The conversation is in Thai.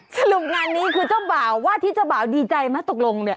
สรุปงานนี้คือเจ้าบ่าวว่าที่เจ้าบ่าวดีใจไหมตกลงเนี่ย